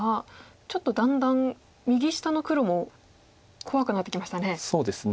ちょっとだんだん右下の黒も怖くなってきましたね。